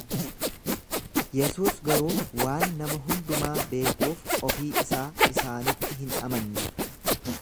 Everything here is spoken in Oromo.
Yesuus garuu waan nama hundumaa beekuuf ofii isaa isaanitti hin amanne.